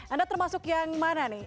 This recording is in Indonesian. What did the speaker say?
anda termasuk yang mana nih